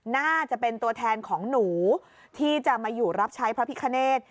น่าจะเป็นตัวแทนของหนูที่จะมาอยู่รับใช้พระพิคเนธ